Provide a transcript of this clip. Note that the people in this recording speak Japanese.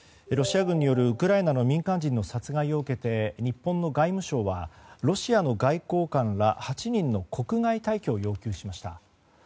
ロシア軍によるウクライナの民間人の殺害を受けて日本の外務省はロシアの外交官ら８人の国外退去を要求しました。